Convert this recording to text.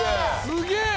すげえ！